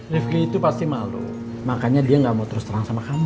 rifki itu pasti malu makanya dia gak mau terus terang sama kamu